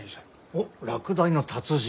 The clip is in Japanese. おっ落第の達人。